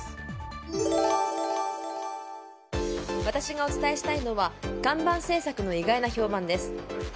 私がお伝えしたいのは看板政策の意外な評判です。